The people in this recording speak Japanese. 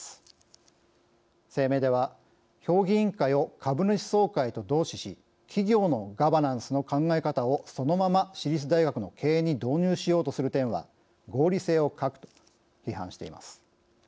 声明では「評議員会を株主総会と同視し企業のガバナンスの考え方をそのまま私立大学の経営に導入しようとする点は合理性を欠く」と批判しています。